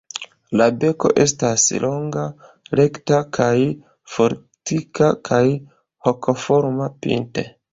La beko estas longa, rekta kaj fortika kaj hokoforma pinte.